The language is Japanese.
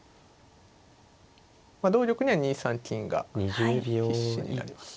まあ同玉には２三金が必至になります。